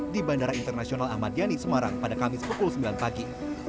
di bandara internasional ahmad yani semarang pada kamis pukul sembilan pagi